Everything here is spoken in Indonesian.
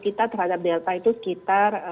kita terhadap delta itu sekitar